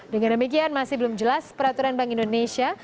dengan demikian masih belum jelas peraturan bank indonesia